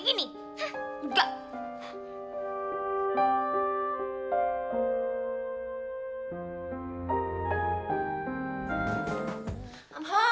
kamu tebak aja gak kak